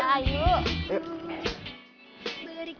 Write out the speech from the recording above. buatkan hati dalam diriku